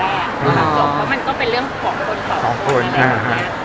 และมันก็เป็นเรื่องของคนมันใหญ่ของคน